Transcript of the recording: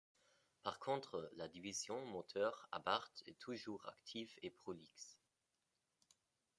Par contre, la division moteurs Abarth est toujours active et prolixe.